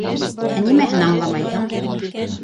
Ә нимәһен... аңламайһың?